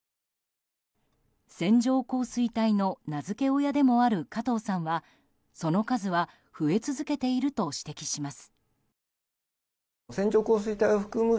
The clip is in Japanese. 線状降水帯の名付け親でもある加藤さんはその数は増え続けていると指摘します。